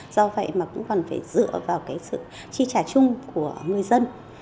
do vậy mà cũng còn phải dựa vào cái sự chi trả chung của người dân